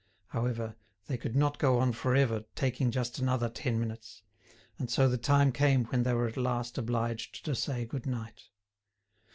However, they could not go on for ever taking just another ten minutes, and so the time came when they were at last obliged to say good night.